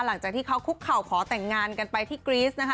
หลังจากที่เขาคุกเข่าขอแต่งงานกันไปที่กรี๊สนะคะ